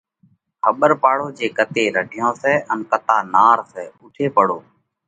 کٻر پاڙو جي ڪتي رڍيون سئہ ان ڪتا نار سئہ؟ اُوٺي پڙو،